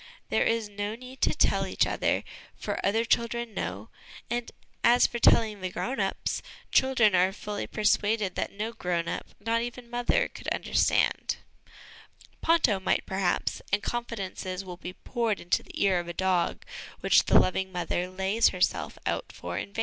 There is no need to tell each other, for other children know, and, as for telling the grown ups, children are fully persuaded that no grown up, not even mother, could understand ; Ponto might, perhaps, and confidences will be poured into the ear of a dog which the loving mother lays herself out for in vain.